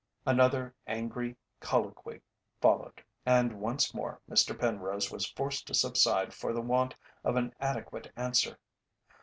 Another angry colloquy followed, and once more Mr. Penrose was forced to subside for the want of an adequate answer.